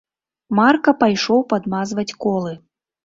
Марка пайшоў падмазваць колы.